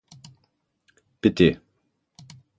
Bitte